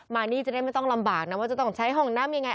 มานี่จะได้ไม่ต้องลำบากนะว่าจะต้องใช้ห้องน้ำยังไง